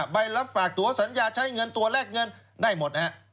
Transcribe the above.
ใบรับฝากตัวสัญญาใช้เงินตัวแรกเงินได้หมด